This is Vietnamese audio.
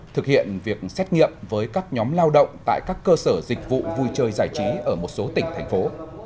thực hiện việc xét nghiệm với các nhóm lao động tại các cơ sở dịch vụ vui chơi giải trí ở một số tỉnh thành phố